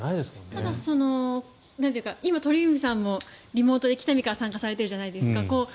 ただ、今、鳥海さんもリモートで北見から参加されてるじゃないですか。